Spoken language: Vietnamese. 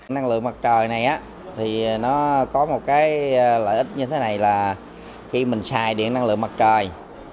năng lượng mặt trời này có lợi ích như thế này là khi mình xài điện năng lượng mặt trời